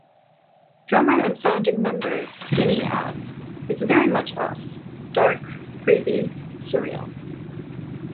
Drummer and founding member Skinny adds, It's very much us: dark, creepy, surreal.